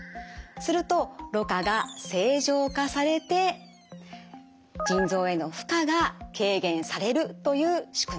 するとろ過が正常化されて腎臓への負荷が軽減されるという仕組みです。